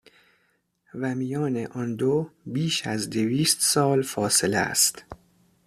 و میان آن دو، بیش از دویست سال فاصله است